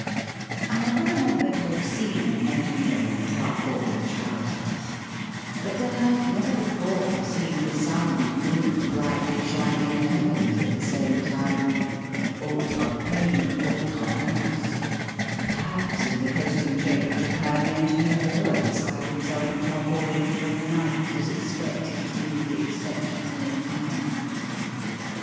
I never remember to have seen an en gineer in tarpaulin trousers ; but then I had never before seen the sim and moon brightly shining in the heavens at the same time. Autre pays autre mosurs. Perhaps in the coasting trade of Japan the engineer always clad himself in tarpaulin when the night was expected to be exceptionally fine.